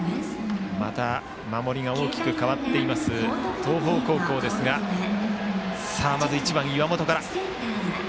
守りが大きく変わっています東邦高校ですがまず１番、岩本から。